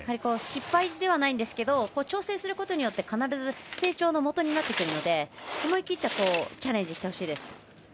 失敗ではないんですけど挑戦することで必ず成長のもとになってくるので思い切ってチャレンジしてほしいです。